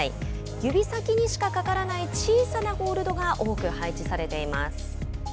指先にしか、かからない小さなホールドが多く配置されています。